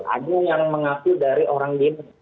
ada yang mengaku dari orang demo